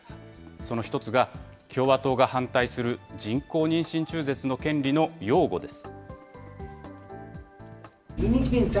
その一つが、共和党が反対する人工妊娠中絶の権利の擁護です。